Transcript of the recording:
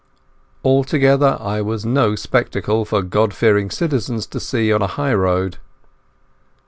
Altogether I was no spectacle for God fearing citizens to see on a highroad.